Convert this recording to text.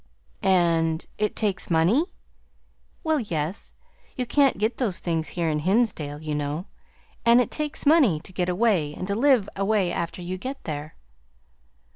"And it takes money?" "Well yes. You can't get those things here in Hinsdale, you know; and it takes money, to get away, and to live away after you get there."